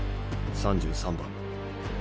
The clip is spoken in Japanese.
３３番。